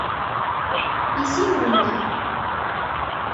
Изи мо ынде?